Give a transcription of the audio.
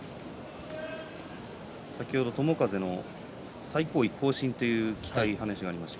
先ほど友風の最高位更新という期待の話がありました。